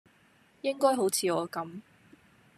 應該好似我咁